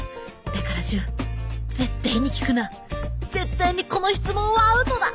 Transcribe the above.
だから純絶対に聞くな絶対にこの質問はアウトだ。